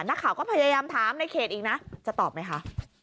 นักข่าวก็พยายามถามในเขตอีกนะจะตอบไหมคะ